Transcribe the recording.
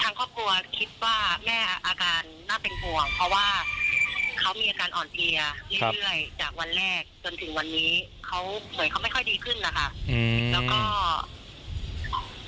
ทางครอบครัวคิดว่าแม่อาการน่าเป็นห่วงเพราะว่าเขามีอาการอ่อนเพลียเรื่อยเรื่อยจากวันแรกจนถึงวันนี้เขาเหมือนเขาไม่ค่อยดีขึ้นนะคะอืมแล้วก็